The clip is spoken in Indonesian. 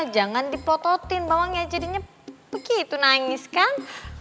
jangan dipototin bawangnya jadinya begitu nangis kan